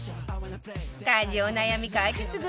家事お悩み解決グッズ